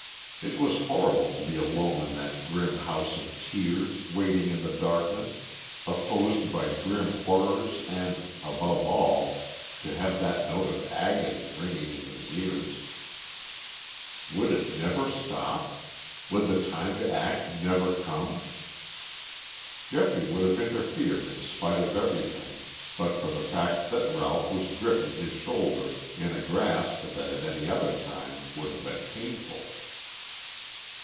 It was horrible to be alone in that grim house of tears, waiting in the darkness, opposed by grim horrors and, above all, to have that note of agony ringing in his ears. Would it never stop? Would the time to act never come? Geoffrey would have interfered in spite of everything but for the fact that Ralph was gripping his shoulder in a grasp that at any other time would have been painful.